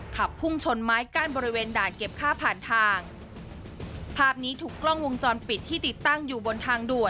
ขับพุ่งชนไม้กั้นบริเวณด่านเก็บค่าผ่านทาง